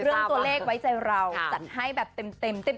เรื่องตัวเลขไว้ใจเราจัดให้แบบเต็ม